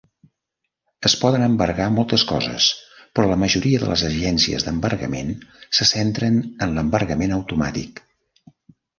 Es poden embargar moltes coses, però la majoria de les agències d'embargament se centren en l'embargament automàtic.